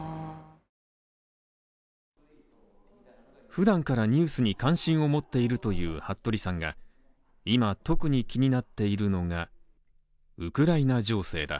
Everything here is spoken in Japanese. ふだんからニュースに関心を持っているというはっとりさんが今、特に気になっているのがウクライナ情勢だ。